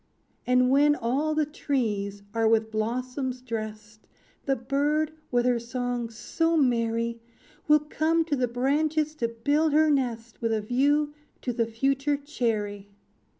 "And when all the trees are with blossoms drest, The bird, with her song so merry, Will come to the branches to build her nest, With a view to the future cherry.